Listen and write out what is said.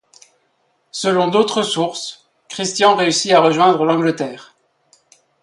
Selon d'autres sources, Christian réussit à rejoindre l'Angleterre.